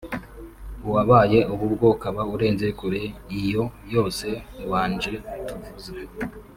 uwabaye ubu bwo ukaba urenze kure iyo yose yabanje tuvuze